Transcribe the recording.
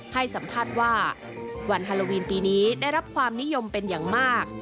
ให้สัมภาษณ์ว่าวันฮาโลวีนปีนี้ได้รับความนิยมเป็นอย่างมาก